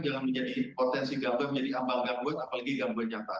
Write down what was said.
jangan menjadi potensi gambuan menjadi ambang gambuan apalagi gambuan nyata